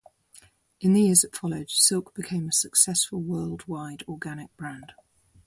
In the years that followed, Silk became a successful, world-wide, organic brand.